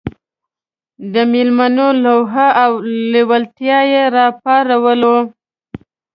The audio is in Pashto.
د مېلمنو لوهه او لېوالتیا یې راپاروله.